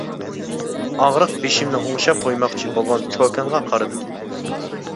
ئاغرىق بېشىمنى ئوڭشاپ قويماقچى بولغان چوكانغا قارىدىم.